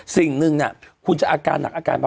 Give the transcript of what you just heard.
สิ่งหนึ่งคุณจะอาการหนักอาการป่